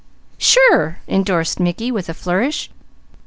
"Sure!" indorsed Mickey with a flourish.